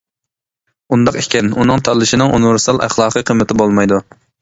ئۇنداق ئىكەن، ئۇنىڭ تاللىشىنىڭ ئۇنىۋېرسال ئەخلاقىي قىممىتى بولمايدۇ.